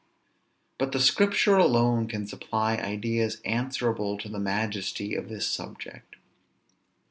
But the Scripture alone can supply ideas answerable to the majesty of this subject.